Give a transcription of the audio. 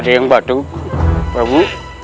ada yang badu babu